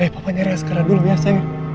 hei papa nyari asgara dulu ya sayang